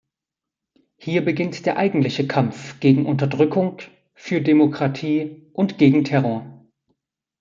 Hier beginnt der eigentliche Kampf gegen Unterdrückung, für Demokratie und gegen Terror.